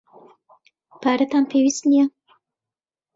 پارەتان پێویست نییە.